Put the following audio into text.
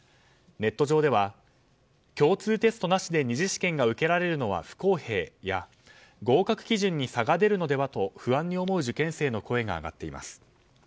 ネット上では、共通テストなしで２次試験が受けられるのは不公平や合格基準に差が出るのではと不安に思う受験生の声が上がっています。